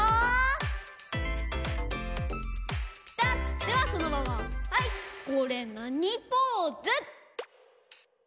ではそのままはいこれなにポーズ？